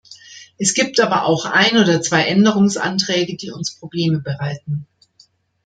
Es gibt aber auch ein oder zwei Änderungsanträge, die uns Probleme bereiten.